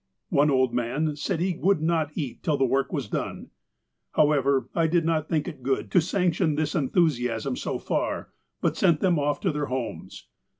One old man said he would not eat till the work was done. However, I did not think it good to sanction this enthusiasm so far, but sent them off to their homes.